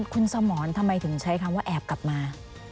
คุณสมรทำไมถึงใช้คำว่าแอบกลับมา